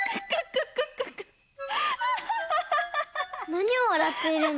なにを笑っているの？